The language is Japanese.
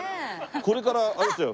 これからあれですよ